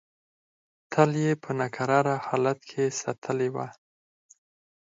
تل یې په ناکراره حالت کې ساتلې وه.